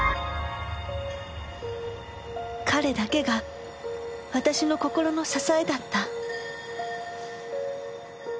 彼だけが私の心の支えだった